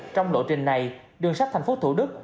trong lộ trình này đường sắt thành phố thủ đức